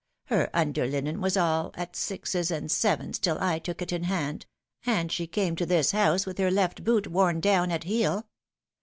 " Her under linen was all at sixes and sevens till / took it in hand ; and she came to this house with her left boot worn down at heel.